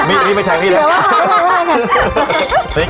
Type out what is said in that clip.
มีที่มาใช้ที่นั่ง